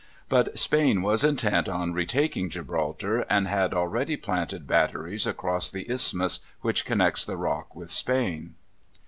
But Spain was intent on retaking Gibraltar, and had already planted batteries across the isthmus which connects the Rock with Spain.